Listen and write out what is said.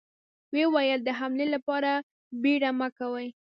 ويې ويل: د حملې له پاره بيړه مه کوئ!